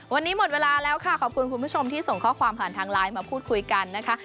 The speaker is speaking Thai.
วันนี้หมดเวลาแล้วค่ะขอบคุณคุณผู้ชมที่ส่งข้อความผ่านทางไลน์มาพูดคุยกันนะคะ